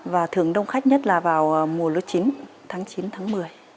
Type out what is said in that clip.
và thường đông khách nhất là vào mùa lúa chín tháng chín tháng một mươi